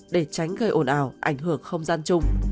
để tránh gây ồn ào ảnh hưởng không gian chung